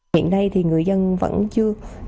hiện nay thì người dân vẫn chưa